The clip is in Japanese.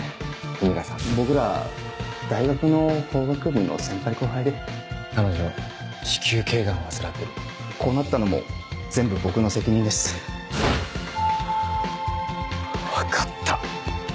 文香さんと僕ら大学の法学部の先輩後輩で彼女子宮頸がんを患ってるこうなったのも全部僕の責任です分かった！